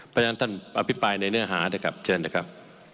เพราะฉะนั้นท่านอภิปรายในเนื้อหานะครับเชิญนะครับ